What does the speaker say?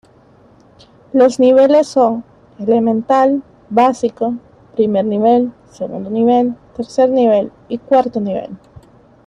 Los niveles son: Elemental, Básico, Primer Nivel, Segundo Nivel, Tercer Nivel y Cuarto Nivel.